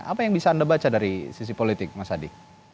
apa yang bisa anda baca dari sisi politik mas adi